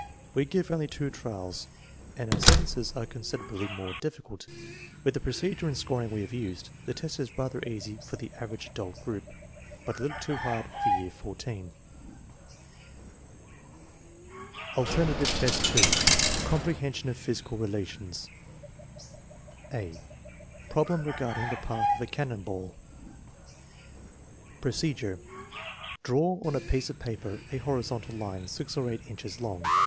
We give only two trials and our sen tences are considerably more difficult. With the procedure and scoring we have used, the test is rather easy for the " average adult " group, but a little too hard for year XIV. Average adult, alternative test 2 : comprehension of physical relations (a) Problem regarding the path of a cannon batt Procedure. Draw on a piece of paper a horizontal line six or eight inches long.